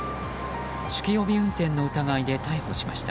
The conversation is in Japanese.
酒気帯び運転の疑いで逮捕しました。